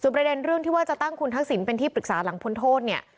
ประเด็นเรื่องที่ว่าจะตั้งคุณทักษิณเป็นที่ปรึกษาหลังพ้นโทษเนี่ย